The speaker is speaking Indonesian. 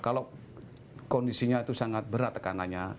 kalau kondisinya itu sangat berat tekanannya